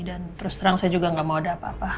dan terus terang saya juga gak mau ada apa apa